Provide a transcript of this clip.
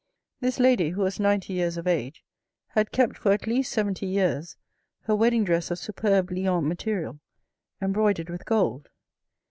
This lady, who was ninety years of age, had kept for at least seventy years her wedding dress of superb Lyons material, embroidered with gold.